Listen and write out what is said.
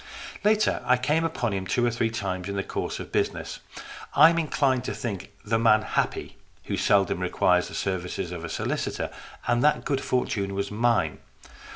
Later, I came upon him two or three times in the course of business. I am inclined to think the man happy who seldom requires the services of a solicitor, and that good fortune was mine.